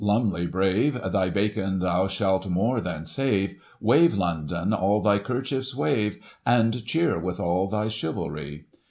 LuMLEY brave, Thy bacon thou shalt more than save ; Wave, London, all thy 'kerchiefs wave, And cheer with all thy chivalry.